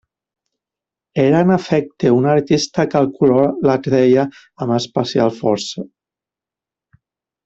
Era en efecte un artista que el color l'atreia amb especial força.